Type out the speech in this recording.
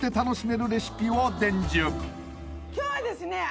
今日はですね